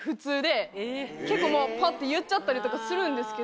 結構パッて言っちゃったりとかするんですけど。